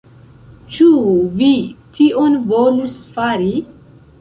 Ĉu vi tion volus fari?